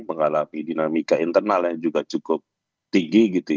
mengalami dinamika internal yang juga cukup tinggi